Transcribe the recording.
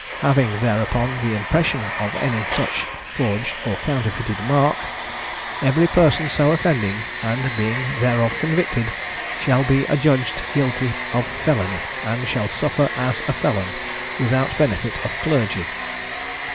having thereupon the impression of any such forged or counterfeited mark, every person so offending, and being thereof convicted, shall be adjudged guilty of felony, and shall suffer as a felon, without benefit of clergy."